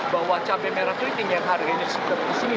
bahwa cabai merah keriting yang harganya seperti di sini